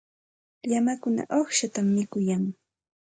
Llamakuna uqshatam mikuyan.